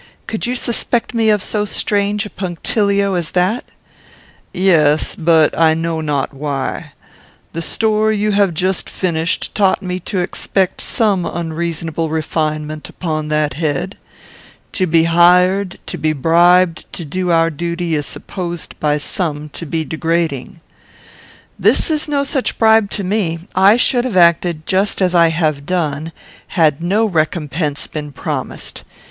Could you suspect me of so strange a punctilio as that?" "Yes; but I know not why. The story you have just finished taught me to expect some unreasonable refinement upon that head. To be hired, to be bribed, to do our duty is supposed by some to be degrading." "This is no such bribe to me. I should have acted just as I have done, had no recompense been promised.